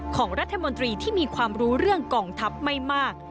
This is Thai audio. ของรัฐมนตรีที่มีความรู้เรื่องกองทัพไม่มาก